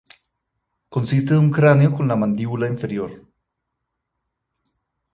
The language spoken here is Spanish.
Consiste de un cráneo con la mandíbula inferior.